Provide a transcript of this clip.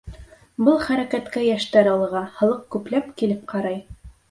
Был хәрәкәткә йәштәр ылыға, халыҡ күпләп килеп ҡарай.